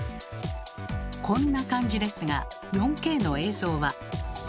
こんな感じですが４Ｋの映像は。